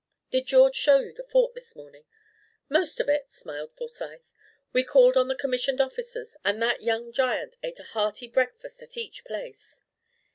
Did George show you the Fort this morning?" "Most of it," smiled Forsyth. "We called on the commissioned officers and that young giant ate a hearty breakfast at each place."